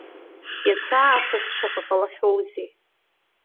Иац аахыс шаҟа ҟалахьоузеи!